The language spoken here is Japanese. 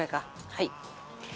はい。